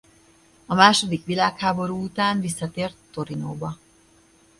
A második világháború után visszatért Torinóba.